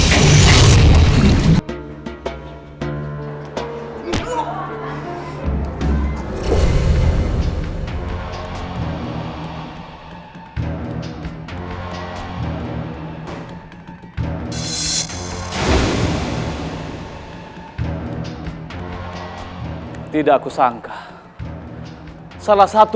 selalu memberikan serangan